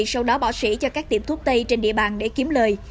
sau đó bỏ sĩ cho các tiệm thuốc tây trên địa bàn để kiếm lời